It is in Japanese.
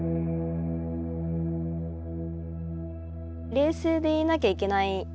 冷静でいなきゃいけない。